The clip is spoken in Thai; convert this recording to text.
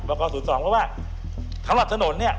๐๒เพราะว่าสำหรับถนนเนี่ย